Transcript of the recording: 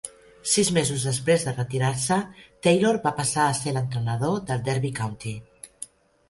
Sis mesos després de retirar-se, Taylor va passar a ser l'entrenador del Derby County.